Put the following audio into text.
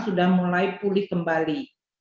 sudah mulai pulih kembali